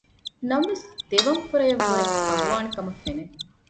ނަމަވެސް ދެވަން ފުރަޔަށް ވުރެ ހަގުވާނެކަމަށް ފެނެ